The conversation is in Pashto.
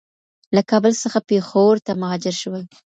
له کابل څخه پېښور ته مهاجر شول.